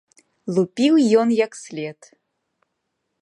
Лупіў ён як след!